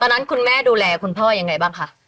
นั้นคุณแม่ดูแลคุณพ่อยังไงบ้างคะ